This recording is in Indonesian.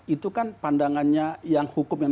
itu kan pandangannya yang hukum yang